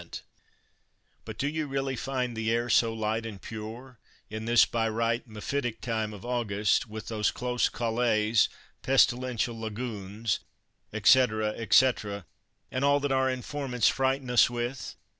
"But do you really find the air so light and pure in this by right mephitic time of August, with those close calles, pestilential lagunes, etc., etc., and all that our informants frighten us with?